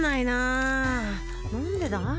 なんでだ？